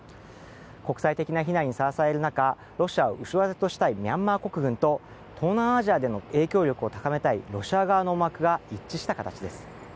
国際的な非難にさらされる中ロシアを後ろ盾にしたいミャンマー国軍と東南アジアでの影響力を高めたいロシア側の思惑が一致した形です。